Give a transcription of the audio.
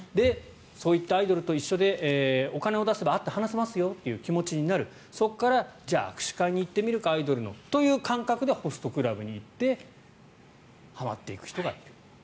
そういったアイドルと一緒でお金を出せば会って話せますよという気持ちになるそこからじゃあ、握手会に行ってみるかアイドルのという感覚でホストクラブに行ってはまっていく人がいる。